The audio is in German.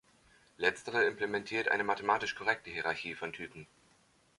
Letztere implementiert eine mathematisch korrekte Hierarchie von Typen.